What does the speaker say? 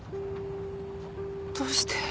どうして？